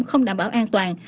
không đảm bảo an toàn